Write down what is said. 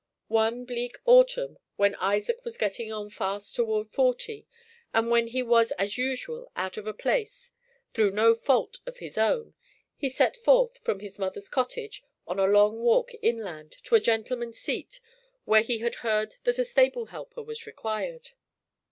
One bleak autumn when Isaac was getting on fast toward forty and when he was as usual out of place through no fault of his own, he set forth, from his mother's cottage on a long walk inland to a gentleman's seat where he had heard that a stable helper was required.